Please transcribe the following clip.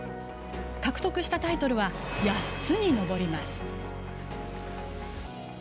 獲得したタイトルは８つに上ります。